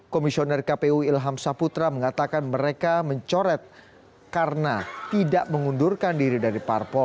komisioner kpu ilham saputra mengatakan mereka mencoret karena tidak mengundurkan diri dari parpol